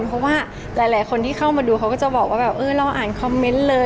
เพราะว่าหลายคนที่เข้ามาดูเขาก็จะบอกว่าแบบเออเราอ่านคอมเมนต์เลย